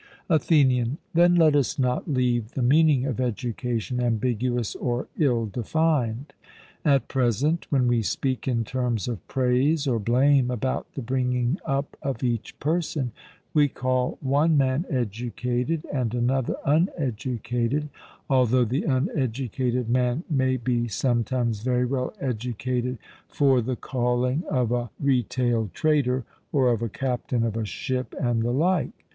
ATHENIAN: Then let us not leave the meaning of education ambiguous or ill defined. At present, when we speak in terms of praise or blame about the bringing up of each person, we call one man educated and another uneducated, although the uneducated man may be sometimes very well educated for the calling of a retail trader, or of a captain of a ship, and the like.